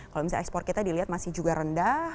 kalau misalnya ekspor kita dilihat masih juga rendah